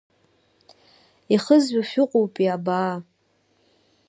Ихызжәо шәыҟоупеи абаа.